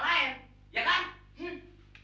ya kan hmm